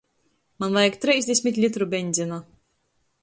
Maņ vajag treisdesmit litru beņzina.